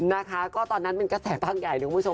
นะคะก็ตอนนั้นเป็นกระแสบางใหญ่นะคุณผู้ชม